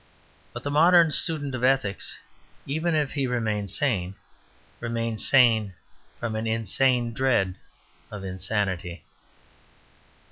But the modern student of ethics, even if he remains sane, remains sane from an insane dread of insanity.